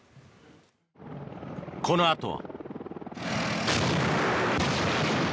このあとは。